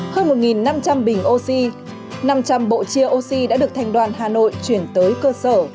hơn một năm trăm linh bình oxy năm trăm linh bộ chia oxy đã được thành đoàn hà nội chuyển tới cơ sở